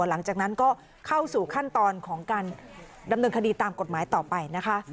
หลังจากนั้นก็เข้าสู่ขั้นตอนของการดำเนินคดีตามกฎหมายต่อไปนะคะ